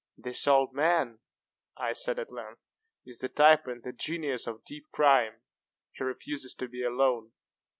"This old man," I said at length, "is the type and the genius of deep crime. He refuses to be alone.